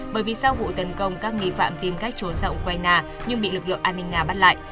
bởi vì sau vụ tấn công các nghi phạm tìm cách trốn ra ukraine nhưng bị lực lượng an ninh nga bắt lại